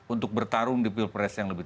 untuk bertarung di pilpres yang lebih